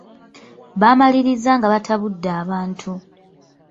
Baamaliriza nga batabudde abantu.